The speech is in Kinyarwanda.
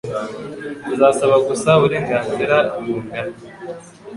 Tuzasaba gusa uburenganzira bungana